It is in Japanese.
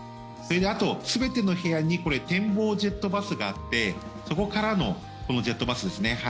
あと、全ての部屋に展望ジェットバスがあってそこからのこのジェットバスですね。